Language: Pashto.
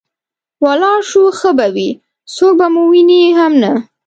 ولاړ شو ښه به وي، څوک به مو ویني هم نه.